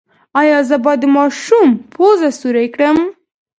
ایا زه باید د ماشوم پوزه سورۍ کړم؟